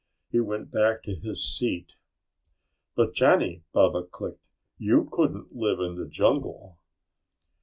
He went back to his seat. "But, Johnny," Baba clicked, "you couldn't live in the jungle."